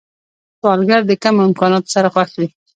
سوالګر د کمو امکاناتو سره خوښ وي